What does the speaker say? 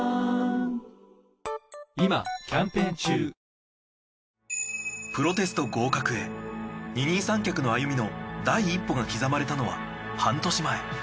いよいよプロテスト合格へ二人三脚の歩みの第一歩が刻まれたのは半年前。